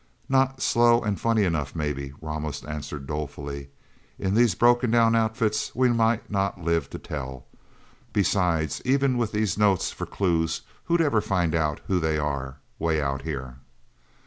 "Not slow and funny enough, maybe," Ramos answered dolefully. "In these broken down outfits, we might not live to tell. Besides, even with these notes for clues, who'd ever find out who they are, way out here?"